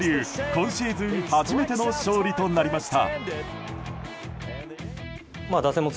今シーズン初めての勝利となりました。